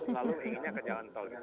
lalu inginnya ke jalan tol gitu